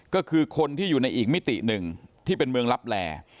ก็คือคนที่อยู่ในอีกมิติหนึ่งที่เป็นเมืองลับแล